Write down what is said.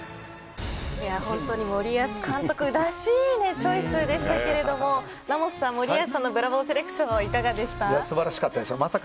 本当に森保監督らしいチョイスでしたけれどもラモスさん、森保さんのブラボーセレクションいかがでしたか？